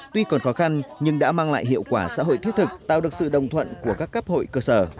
tuy còn khó khăn nhưng đã mang lại hiệu quả xã hội thiết thực tạo được sự đồng thuận của các cấp hội cơ sở